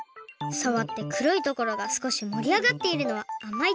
さわって黒いところがすこし盛り上がっているのはあまい